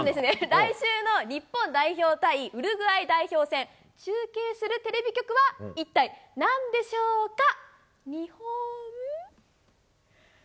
来週の日本代表対ウルグアイ代表戦、中継するテレビ局は一体なんでしょうか。